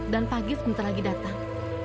dan pagi sebentar lagi datang